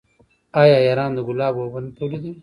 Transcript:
آیا ایران د ګلابو اوبه نه تولیدوي؟